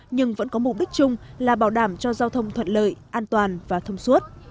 nhưng vẫn có mục đích chung là bảo đảm cho giao thông thuận lợi an toàn và thông suốt